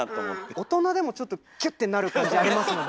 大人でもちょっとキュッてなる感じありますもんね。